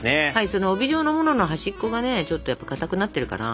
その帯状のものの端っこがねちょっとかたくなってるから。